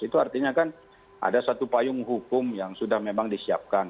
itu artinya kan ada satu payung hukum yang sudah memang disiapkan